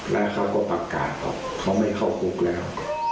และเขาก็ประกาศว่าเขาไม่เข้าโกรธแล้ว